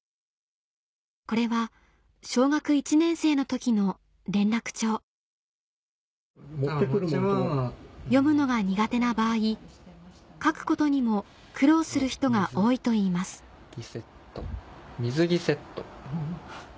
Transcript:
これは小学１年生の時の連絡帳読むのが苦手な場合書くことにも苦労する人が多いといいます「水着セット」。